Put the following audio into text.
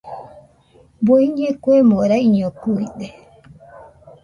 Bueñe kuemo raiñokɨide